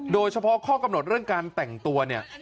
โดยเฉพาะข้อกำหนดเรื่องการแต่งตัวเนี่ย